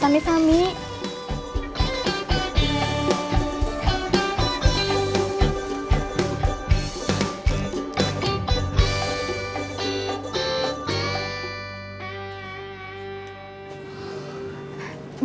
sampai jumpa lagi